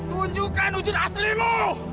tunjukkan wujud aslimu